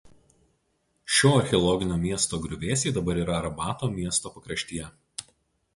Šio archeologinio miesto griuvėsiai dabar yra Rabato miesto pakraštyje.